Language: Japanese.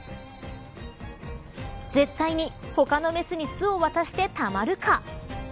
絶対に他の雌に巣を渡してたまるか。